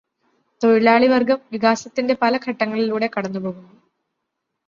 തൊഴിലാളിവർഗം വികാസത്തിന്റെ പല ഘട്ടങ്ങളിലൂടെ കടന്നുപോകുന്നു.